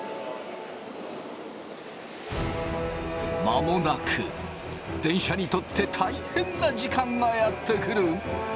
間もなく電車にとって大変な時間がやって来る。